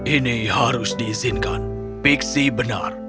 ini harus diizinkan fiksi benar